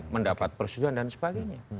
mendapat persetujuan dan sebagainya